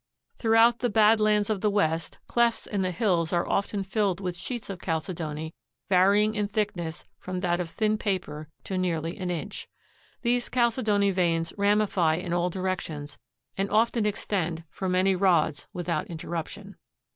Throughout the "Bad Lands" of the West, clefts in the hills are often filled with sheets of chalcedony varying in thickness from that of thin paper to nearly an inch. These chalcedony veins ramify in all directions and often extend for many rods without interruption.